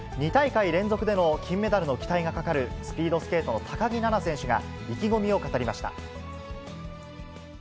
２大会連続での金メダルの期待がかかるスピードスケートの高木菜那選手が意気込みを語りました。